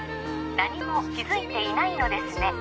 ☎何も気づいていないのですね